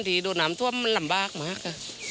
ที่ดูว่าน้ำท่วมมันน้ำบากมาก